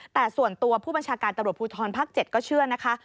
แต่ส่วนตัวผู้บัญชาการตำรวจภูทรภาค๗ก็เชื่อนะคะ